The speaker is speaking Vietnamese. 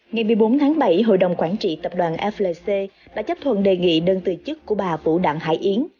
ngày một mươi bốn tháng bảy hội đồng quản trị tập đoàn flc đã chấp thuận đề nghị đơn từ chức của bà vũ đảng hải yến